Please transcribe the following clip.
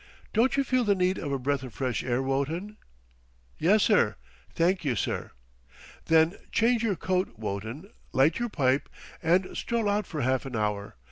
Don't you feel the need of a breath of fresh air, Wotton?" "Yessir, thank you, sir." "Then change your coat, Wotton, light your pipe, and stroll out for half an hour.